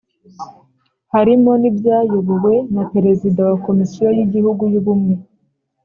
Harimo n ibyayobowe na perezida wa komisiyo y igihugu y ubumwe